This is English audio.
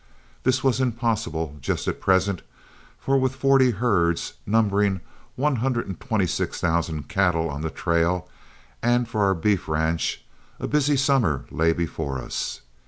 This was impossible just at present, for with forty herds, numbering one hundred and twenty six thousand cattle, on the trail and for our beef ranch, a busy summer lay before us.